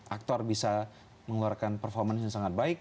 aktor bisa mengeluarkan performance yang sangat baik